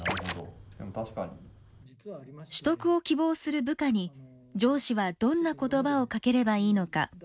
取得を希望する部下に上司はどんな言葉をかければいいのか。